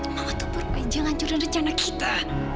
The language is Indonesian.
mama tuh berpeja ngacuran rencana kita